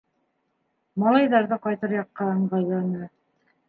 Малайҙар ҙа ҡайтыр яҡҡа ыңғайланы.